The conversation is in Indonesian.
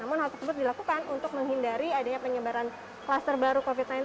namun hal tersebut dilakukan untuk menghindari adanya penyebaran kluster baru covid sembilan belas